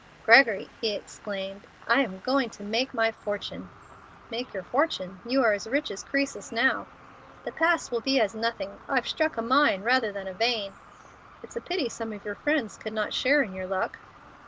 "Gregory!" he exclaimed, "I am going to make my fortune." "Make your fortune! You are as rich as Croesus now." "The past will be as nothing. I've struck a mine rather than a vein." "It's a pity some of your friends could not share in your luck."